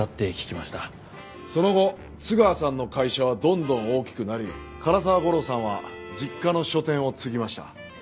その後津川さんの会社はどんどん大きくなり唐沢吾郎さんは実家の書店を継ぎました。